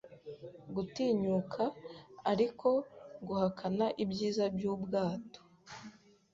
gutinyuka, ariko, guhakana ibyiza byubwato